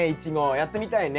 やってみたいね。